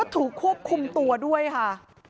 ถูกควบคุมตัวด้วยค่ะ